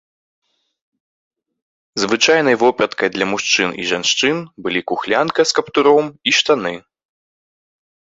Звычайнай вопраткай для мужчын і жанчын былі кухлянка з каптуром і штаны.